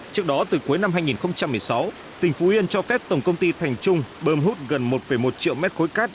trước đó từ cuối năm hai nghìn một mươi sáu tỉnh phú yên cho phép tổng công ty thành trung bơm hút gần một một triệu mét khối cát